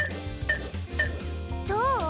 どう？